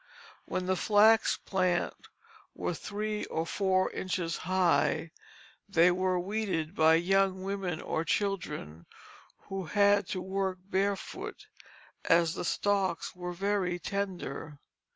When the flax plants were three or four inches high, they were weeded by young women or children who had to work barefoot, as the stalks were very tender.